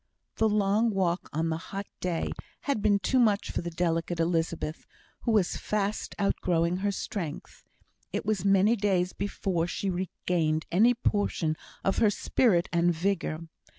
The long walk on the hot day had been too much for the delicate Elizabeth, who was fast outgrowing her strength. It was many days before she regained any portion of her spirit and vigour.